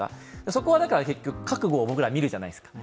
そこは結局、覚悟を僕らは見るじゃないですか。